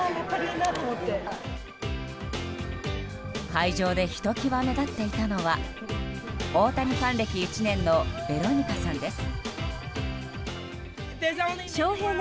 会場でひと際目立っていたのは大谷ファン歴１年のベロニカさんです。